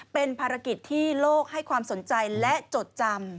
เป็นภารกิจที่โลกให้ความสนใจและจดจำ